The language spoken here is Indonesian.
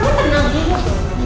kamu tenang dulu